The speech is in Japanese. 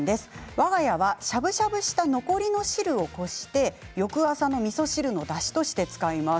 わが家は、しゃぶしゃぶした残りの汁をこして翌朝のみそ汁のだしとして使います。